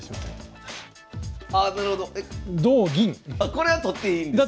これは取っていいんですよね？